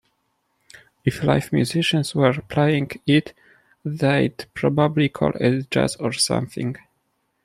If live musicians were playing it, they'd probably call it jazz or something.